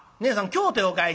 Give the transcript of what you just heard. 京都へお帰り？